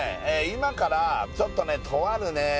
今からちょっとねとあるね